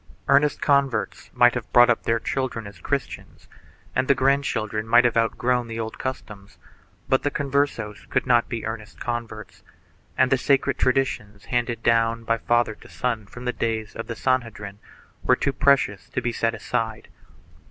Earnest converts might have brought up their children as Christians and the grandchildren might have out grown the old customs, but the Converses could not be earnest 10 ( 145 ) 146 ESTABLISHMENT OF THE INQUISITION [BOOK I converts, and the sacred traditions, handed down by father to son from the days of the Sanhedrin, were too precious to be set aside.